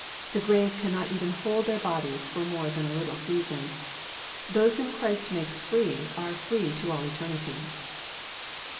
The grave cannot even hold their bodies for more than a little season. Those whom Christ makes free are free to all eternity.